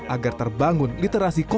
agar terbangun literaturnya